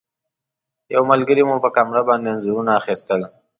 یو ملګري مو په کامره باندې انځورونه اخیستل.